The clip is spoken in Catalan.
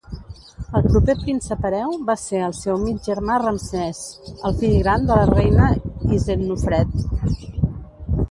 El proper príncep hereu va ser el seu mig germà Ramsès, el fill gran de la reina Isetnofret.